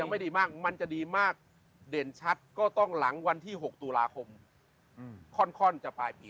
ไม่ดีมากมันจะดีมากเด่นชัดก็ต้องหลังวันที่๖ตุลาคมค่อนจะปลายปี